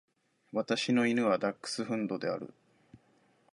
私の犬はダックスフンドである。